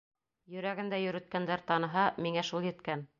Йөрәгендә йөрөткәндәр таныһа, миңә шул еткән.